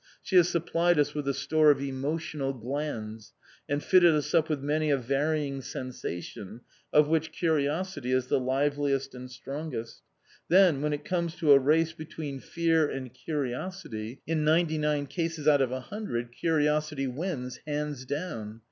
She has supplied us with a store of emotional glands, and fitted us up with many a varying sensation, of which curiosity is the liveliest and strongest. Then when it comes to a race between Fear and Curiosity, in ninety nine cases out of a hundred Curiosity wins hands down.